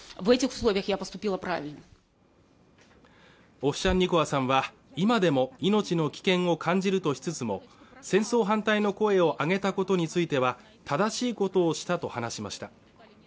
オフシャンニコワさんは今でも命の危険を感じるとしつつも戦争反対の声を上げたことについては正しいことをしたと話しました